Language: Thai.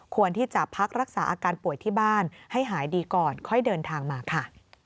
ควรที่จะพักรักษาอาการป่วยที่บ้านให้หายดีก่อนค่อยเดินทางมาค่ะ